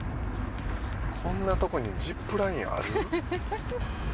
こんなとこにジップラインある？